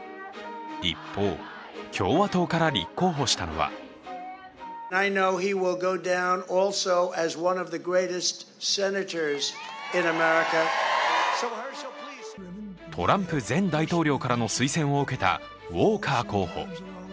一方、共和党から立候補したのはトランプ前大統領からの推薦を受けたウォーカー候補。